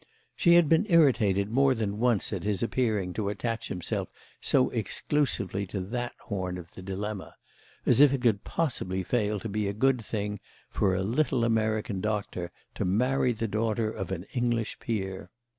She had been irritated more than once at his appearing to attach himself so exclusively to that horn of the dilemma—as if it could possibly fail to be a good thing for a little American doctor to marry the daughter of an English peer.